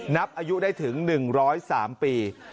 นับอายุได้ถึง๑๐๓ปี